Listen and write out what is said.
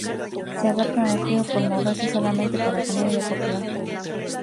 Se adaptan al frío por moverse solamente para comer y acoplar.